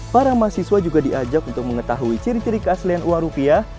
para mahasiswa juga diajak untuk mengetahui ciri ciri keaslian uang rupiah